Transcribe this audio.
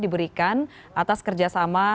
diberikan atas kerjasama